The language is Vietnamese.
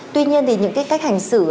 tuy nhiên thì những cái cách hành xử